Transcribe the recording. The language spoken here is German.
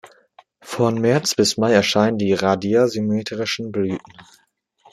Von März bis Mai erscheinen die radiärsymmetrischen Blüten.